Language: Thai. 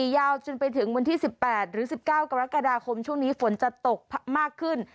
ยาวจนไปถึงวันที่๑๘หรือ๑๙กรกฎาคมช่วงนี้ฝนจะตกมากขึ้น